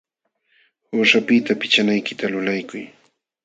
Quśhapiqta pichanaykita lulaykuy.